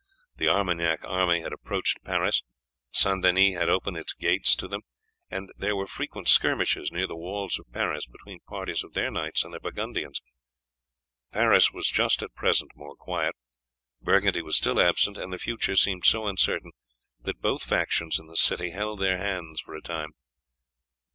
The Armagnac army had approached Paris, St. Denis had opened its gates to them, and there were frequent skirmishes near the walls of Paris between parties of their knights and the Burgundians. Paris was just at present more quiet. Burgundy was still absent, and the future seemed so uncertain, that both factions in the city held their hands for a time.